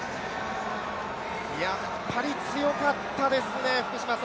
やっぱり強かったですね。